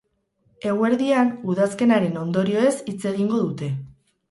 Eguerdian, udazkenaren ondorioez hitz egingo dute.